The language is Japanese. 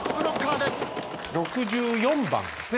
６４番ですね。